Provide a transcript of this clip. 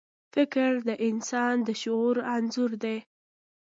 فکر د انسان د شعور انځور دی.